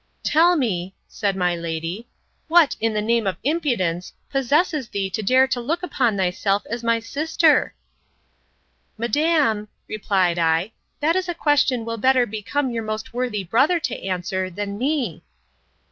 Tell me, said my lady, what, in the name of impudence, possesses thee to dare to look upon thyself as my sister?—Madam, replied I, that is a question will better become your most worthy brother to answer, than me.